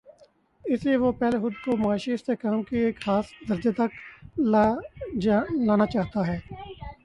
اس لیے وہ پہلے خود کو معاشی استحکام کے ایک خاص درجے تک لا نا چاہتا ہے۔